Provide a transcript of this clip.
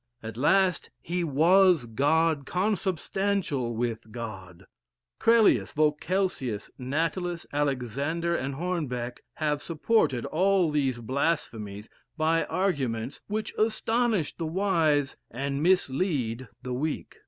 At last he was God consubstantial with God. Crellius, Voquelsius, Natalis, Alexander, and Hornbeck, have supported all these blasphemies by arguments, which astonish the wise and mislead the weak.